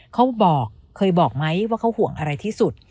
เขาบอกเคยบอกไหมว่าเขาห่วงอะไรที่สุด